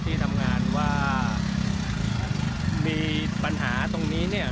ที่ทำงานว่ามีปัญหาตรงนี้เนี่ย